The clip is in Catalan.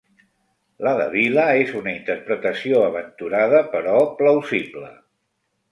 La de Vila és una interpretació aventurada, però plausible.